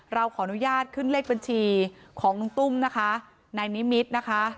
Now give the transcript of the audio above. เราขออนุญาตขึ้นเลขบัญชีของลุงตุ้มนะคะนายนิมิตรนะคะ